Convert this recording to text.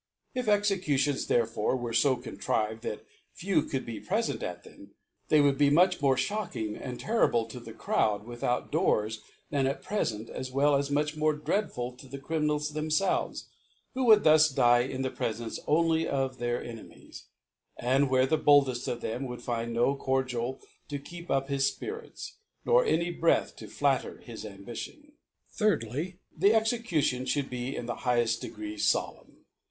If Executions therefore were fo contrived, that few could be prefent at them, they would be much more fhocking and terrible to the Crowd without Doors than at pre* fent, as well much more dreadful to the Criminals themfelves, who would thus d.c jn"the Prefcnce only of their Enemies % and where the boldeft x)f them would find no Cordial to keep up his Spirits, nor any Breath to flatter his Ambition^ 3^/y, The Execution fhoufd be in the higheft degree folemn.